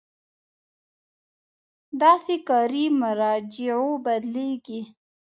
داسې کاري مراجعو بدلېږي.